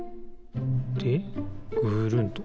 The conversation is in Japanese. でぐるんと。